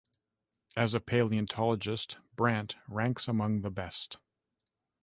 As a paleontologist, Brandt ranks among the best.